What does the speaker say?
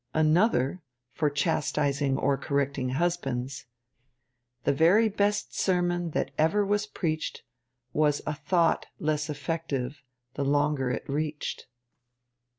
_ ANOTHER (For Chastising or Correcting Husbands) The very best sermon that ever was preach'd _Was a thought less effective the longer it reached.